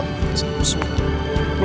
aku bisa jalan